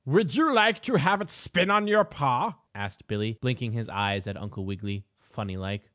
"Would you like to have it spin on your paw?" asked Billie, blinking his eyes at Uncle Wiggily, funny like.